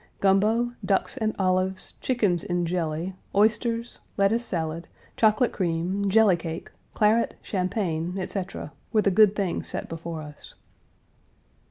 Gumbo, ducks and olives, chickens in jelly, oysters, lettuce salad, chocolate cream, jelly cake, claret, champagne, etc., were the good things set before us.